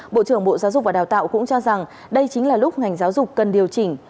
bộ trưởng bộ giáo dục và đào tạo cũng cho rằng đây chính là lúc ngành giáo dục cần điều chỉnh